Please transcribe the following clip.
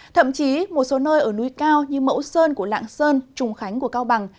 thậm chí một số nơi ở núi cao như mẫu sơn của lạng sơn trùng khánh của cao bằng